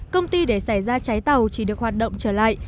công ty để xảy ra cháy tàu chỉ được hoạt động trở lại